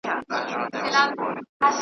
ژوند مي جهاني له نن سبا تمه شلولې ده .